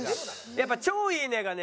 やっぱ「超いいね」がね